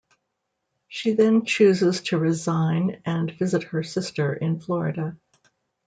She then chooses to resign and visit her sister in Florida.